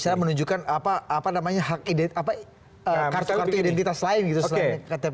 misalnya menunjukkan apa namanya hak kartu kartu identitas lain gitu selain ktp